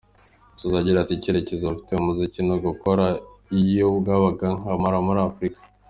Asoza agira ati “Icyerekezo mfite mu muziki ni ugukora iyo bwabaga nkamamara muri Afurika.